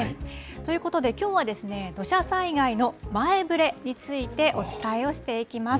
ということで、きょうは土砂災害の前ぶれについてお伝えをしていきます。